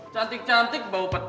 cantik cantik bau petai